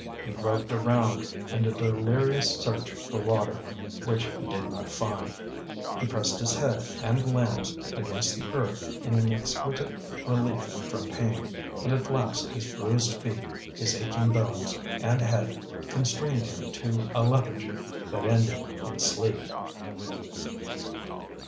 He groped around in a delirious search for water, which he did not find; he pressed his head and limbs against the earth in an exquisite relief from pain; and at last his bruised feet, his aching bones and head constrained him to a lethargy that ended in sleep.